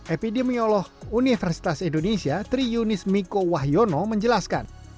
epidemiolog universitas indonesia triyunis miko wahyono menjelaskan